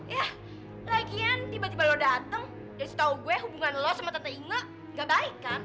yah lagian tiba tiba lo dateng dan setau gue hubungan lo sama tante inge nggak baik kan